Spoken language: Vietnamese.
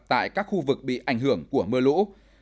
tại các khu vực bị ảnh hưởng của mưa lũ